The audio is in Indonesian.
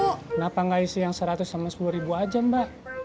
kenapa nggak isi yang seratus sama sepuluh ribu aja mbak